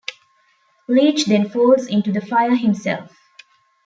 Leech then falls into the fire himself.